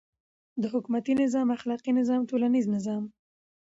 . د حکومتی نظام، اخلاقی نظام، ټولنیز نظام